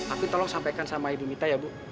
aku tolong sampaikan sama ibu mita ya bu